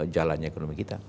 jalannya ekonomi kita